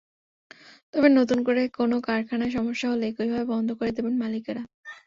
তবে নতুন করে কোনো কারখানায় সমস্যা হলে একইভাবে বন্ধ করে দেবেন মালিকেরা।